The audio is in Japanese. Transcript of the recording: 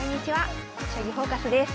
「将棋フォーカス」です。